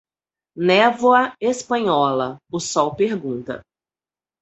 Névoa espanhola, o sol pergunta.